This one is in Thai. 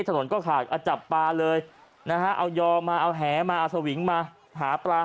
ถนนก็ขาดเอาจับปลาเลยนะฮะเอายอมาเอาแหมาเอาสวิงมาหาปลา